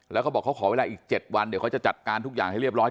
แล้วเขาบอกเขาขอเวลาอีก๗วันเดี๋ยวเขาจะจัดการทุกอย่างให้เรียบร้อย